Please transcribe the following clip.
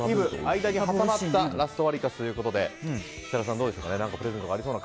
間に挟まったラストワリカツということで設楽さん、プレゼントがありそうな。